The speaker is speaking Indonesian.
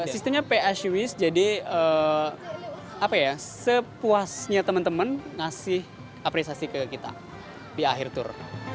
sistemnya pswiss jadi sepuasnya teman teman ngasih apresiasi ke kita di akhir tour